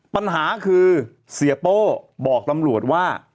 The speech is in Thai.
ปัญหาคือเสียโป้บอกตำรวจว่า